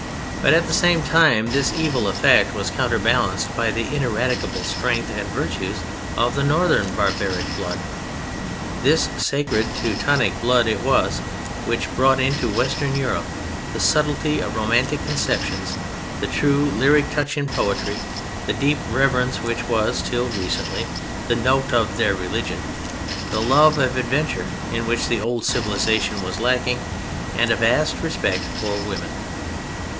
But at the same time this evil effect was counter balanced by the ineradicable strength and virtues of the Northern barbaric blood. This sacred Teutonic blood it was which brought into Western Europe the subtlety of romantic conceptions, the true lyric touch in poetry, the deep reverence which was (till recently) the note of their religion, the love of adventure in which the old civilization was lacking, and a vast respect for women.